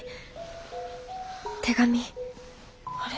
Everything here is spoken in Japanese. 手紙あれ！？